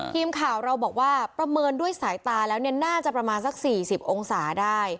ทีมข่าวเราบอกว่าประเมินด้วยสายตาแล้วเนี่ยน่าจะประมาณสัก๔๐องศาได้